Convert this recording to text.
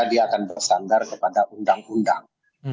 dia akan bersandar kepada undang undang